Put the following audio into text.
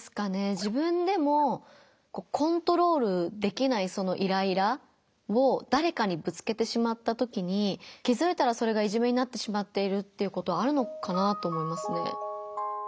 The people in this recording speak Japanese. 自分でもコントロールできないそのイライラをだれかにぶつけてしまったときに気づいたらそれがいじめになってしまっているっていうことあるのかなと思いますね。